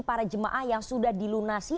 para jemaah yang sudah dilunasi